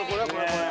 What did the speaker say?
これ。